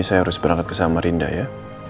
saya harus berangkat ke samarinda ya